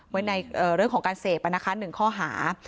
ไว้ในเรื่องของการเสพอ่ะนะคะหนึ่งข้อหา